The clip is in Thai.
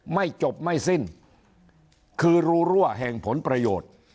ไม่จบไม่สิ้นคือรูรั่วแห่งผลประโยชน์